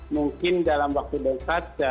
mungkin dalam waktu dekat